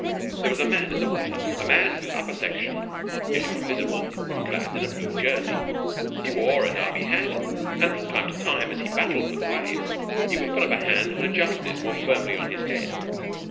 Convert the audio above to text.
There was a man in the water, a man whose upper section, the only one visible, was clad in a blue jersey. He wore a Derby hat, and from time to time as he battled with the waves, he would put up a hand and adjust this more firmly on his head.